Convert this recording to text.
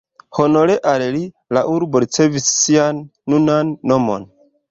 Honore al li la urbo ricevis sian nunan nomon.